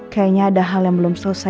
kayaknya ada hal yang belum selesai